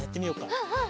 うんうん。